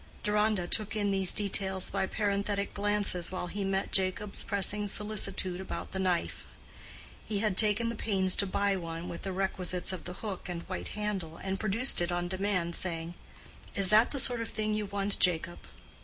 Deronda took in these details by parenthetic glances while he met Jacob's pressing solicitude about the knife. He had taken the pains to buy one with the requisites of the hook and white handle, and produced it on demand, saying, "Is that the sort of thing you want, Jacob?"